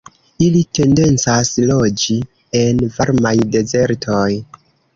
Ili tendencas loĝi en varmaj dezertoj.